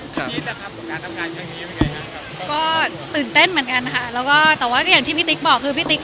ก็ตื่นเต้นเหมือนกันค่ะแต่ว่าอย่างที่พี่ติ๊กบอกคือ